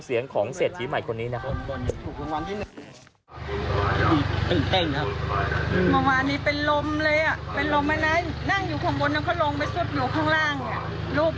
แล้วก็ยังทำงานอยู่ไหมครับทำงานอยู่ครับ